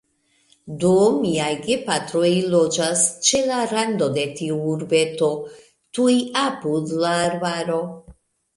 Do, miaj gepatroj loĝas ĉe la rando de tiu urbeto, tuj apud la arbaro.